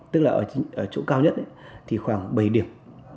tức là ở chỗ cao nhất thì khoảng bảy điểm